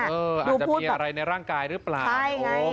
อาจจะมีอะไรในร่างกายหรือเปล่า